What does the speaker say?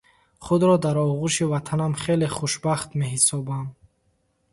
Худро дар оғӯши Ватанам хеле хушбахт меҳисобам.